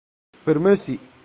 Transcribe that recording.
permesi